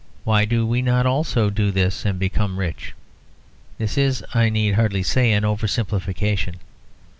Why do we not also do this and become rich?" This is, I need hardly say, an over simplification.